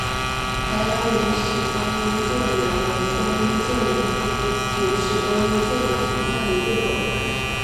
台湾原始观音座莲为观音座莲科原始观音座莲属下的一个种。